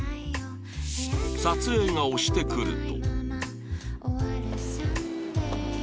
撮影が押してくると